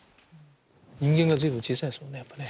人間が随分小さいんですもんねやっぱね。